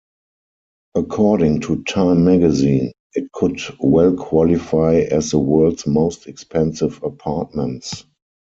According to "Time" magazine, it "could well qualify as the world's most expensive apartments.